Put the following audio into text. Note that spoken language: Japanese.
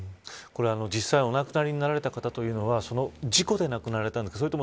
実際お亡くなりになられた方はその事故で亡くなられたんですか。